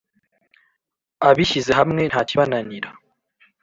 Abishyize hamwe ntakibananira